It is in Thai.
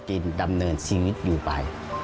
เชิญติดตามรัวของคุณต้นจะน่าสนใจขนาดไหน